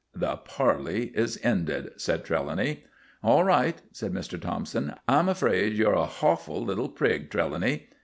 "The parley is ended," said Trelawney. "All right," said Mr. Thompson, "I'm afraid you're a hawful little prig, Trelawny."